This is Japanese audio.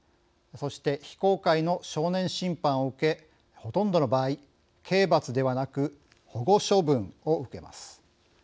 そして非公開の少年審判を受けほとんどの場合刑罰ではなく保護処分を受けます。